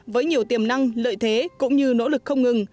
với nhiều tiềm năng lợi thế cũng như nỗ lực không ngừng